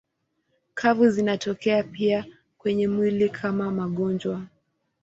Kuvu zinatokea pia kwenye mwili kama magonjwa.